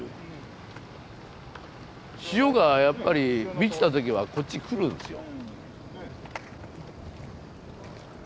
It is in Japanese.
潮がやっぱり満ちた時はこっち来るんですよ。